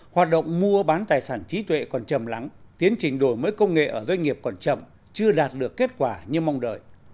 hoạt động mua bán tài sản trí tuệ còn chầm lắng tiến trình đổi mới công nghệ ở doanh nghiệp còn chậm chưa đạt được kết quả như mong đợi